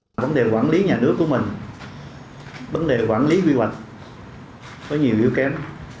vấn đề quản lý nhà nước của mình vấn đề quản lý quy hoạch có nhiều yếu kém